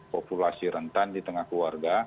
populasi rentan di tengah keluarga